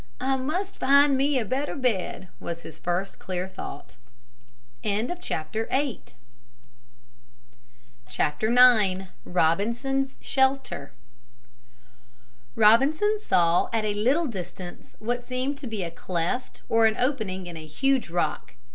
"I must find me a better bed," was his first clear thought. IX ROBINSON'S SHELTER Robinson saw at a little distance what seemed to be a cleft or an opening in a huge rock.